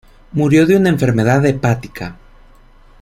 Murió de una enfermedad hepática.